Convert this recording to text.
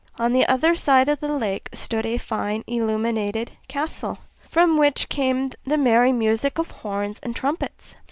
On the other side of the lake stood a fine illuminated castle, from which came the merry music of horns and trumpets.